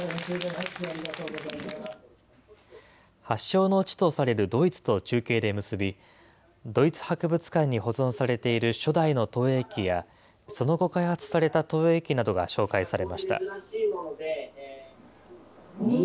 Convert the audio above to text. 発祥の地とされるドイツと中継で結び、ドイツ博物館に保存されている初代の投影機や、その後開発された投影機などが紹介されました。